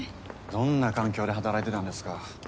どんな環境で働いてたんですか。